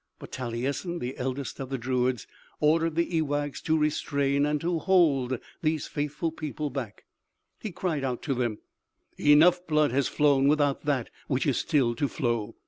But Talyessin, the eldest of the druids, ordered the ewaghs to restrain and hold these faithful people back. He cried out to them: "Enough blood has flown without that which is still to flow.